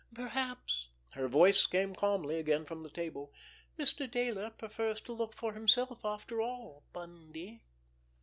"Perhaps"—her voice came calmly again from the table—"Mr. Dayler prefers to look for himself, after all, Bundy!"